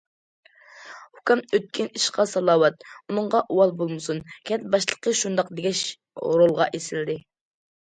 ئۇكام، ئۆتكەن ئىشقا سالاۋات، ئۇنىڭغا ئۇۋال بولمىسۇن،— كەنت باشلىقى شۇنداق دېگەچ رولغا ئېسىلدى.